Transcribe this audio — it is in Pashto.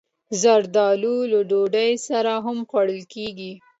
زردالو له ډوډۍ سره هم خوړل کېږي.